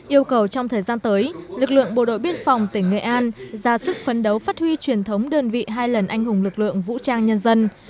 yêu cầu trong thời gian tới lực lượng bộ đội biên phòng tỉnh nghệ an ra sức phấn đấu phát huy truyền thống đơn vị hai lần anh hùng lực lượng vũ trang nhân dân